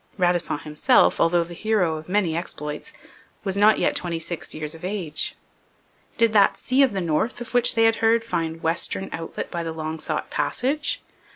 Radisson himself, although the hero of many exploits, was not yet twenty six years of age. Did that Sea of the North of which they had heard find western outlet by the long sought passage?